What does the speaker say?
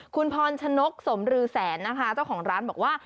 คุณพรชนกสมรือแสนนะคะเจ้าของร้านบอกว่า